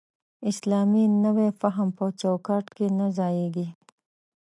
اسلامي نوی فهم په چوکاټ کې نه ځایېږي.